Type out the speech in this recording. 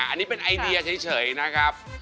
อันนี้เป็นไอเดียเฉยนะครับ